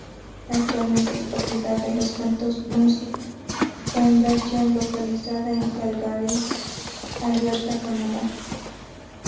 Actualmente es propiedad de la Cantos Music Foundation, localizada en Calgary, Alberta, Canadá.